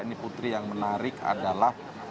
ini putri yang menarik adalah